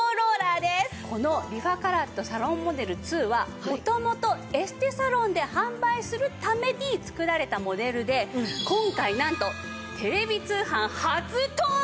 このリファカラットサロンモデルⅡは元々エステサロンで販売するために作られたモデルで今回なんとテレビ通販初登場なんです！